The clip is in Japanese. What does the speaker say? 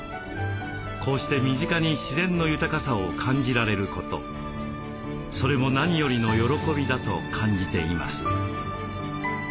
こうして身近に自然の豊かさを感じられることそれも何よりの喜びだと感じています。